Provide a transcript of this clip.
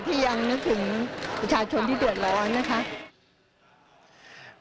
ยังนึกถึงประชาชนที่เดือดร้อนนะคะ